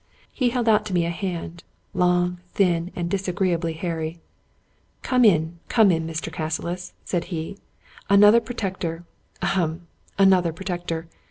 He held out to me a hand, long, thin, and disagreeably hairy. " Come in, come in, Mr. Cassilis," said he. " Another pro tector — ahem! — ^another protector.